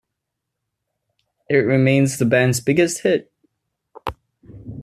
It remains the band's biggest hit.